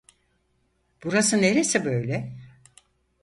Burası neresi böyle?